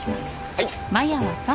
はい！